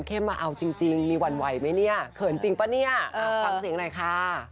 เคมีนก็ใจมากจริงค่ะ